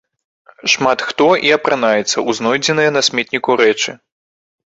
Шмат хто і апранаецца ў знойдзеныя на сметніку рэчы.